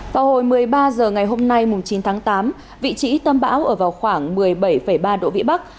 vào hồi một mươi ba h ngày hôm nay chín tháng tám vị trí tâm bão ở vào khoảng một mươi bảy ba độ vĩ bắc